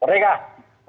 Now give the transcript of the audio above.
merdeka tetap merdeka